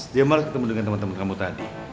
dia males ketemu dengan temen temen kamu tadi